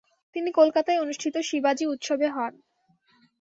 তিনি কলকাতায় অনুষ্ঠিত "শিবাজী উৎসবে" হন।